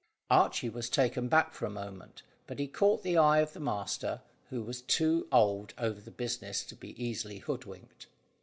Archy was taken aback for the moment, but he caught the eye of the master, who was too old over the business to be easily hoodwinked.